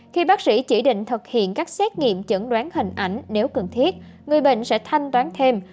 khi bác sĩ chỉ định thực hiện các xét nghiệm chẩn đoán hình ảnh nếu cần thiết người bệnh sẽ thanh toán thêm